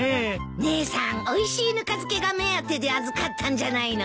姉さんおいしいぬか漬けが目当てで預かったんじゃないの？